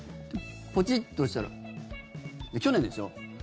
ポチッとしたら去年ですよ。